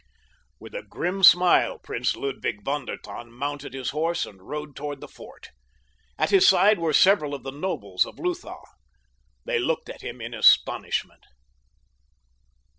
With a grim smile Prince Ludwig von der Tann mounted his horse and rode toward the fort. At his side were several of the nobles of Lutha. They looked at him in astonishment.